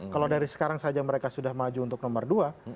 kalau dari sekarang saja mereka sudah maju untuk nomor dua